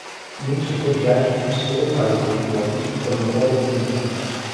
L'ours Kodiak est considéré par les peuples nordiques comme le roi des animaux.